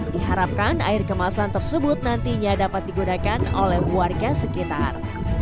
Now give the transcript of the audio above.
diharapkan air kemasan tersebut nantinya dapat digunakan oleh warga sekitar